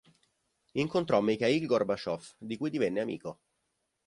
Incontrò Michail Gorbačëv, di cui divenne amico.